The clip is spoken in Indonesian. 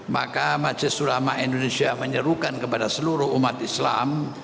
maka majlis ulama indonesia menyerukan kepada seluruh umat islam